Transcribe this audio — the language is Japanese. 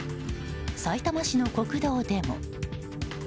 さいたま市の国道でも。